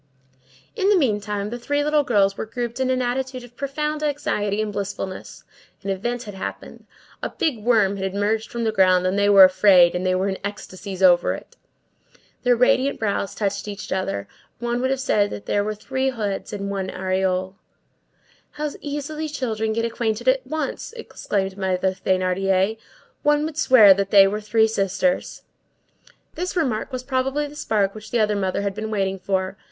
In the meantime, the three little girls were grouped in an attitude of profound anxiety and blissfulness; an event had happened; a big worm had emerged from the ground, and they were afraid; and they were in ecstasies over it. Their radiant brows touched each other; one would have said that there were three heads in one aureole. "How easily children get acquainted at once!" exclaimed Mother Thénardier; "one would swear that they were three sisters!" This remark was probably the spark which the other mother had been waiting for.